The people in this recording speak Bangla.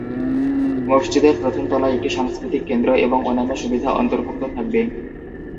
মসজিদের প্রথম তলায় একটি সাংস্কৃতিক কেন্দ্র এবং অন্যান্য সুবিধা অন্তর্ভুক্ত থাকবে।